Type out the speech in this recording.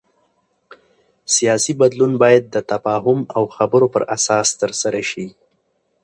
سیاسي بدلون باید د تفاهم او خبرو پر اساس ترسره شي